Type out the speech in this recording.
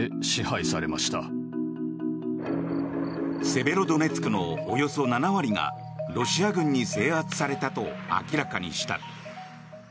セベロドネツクのおよそ７割がロシア軍に制圧されたと明らかにした。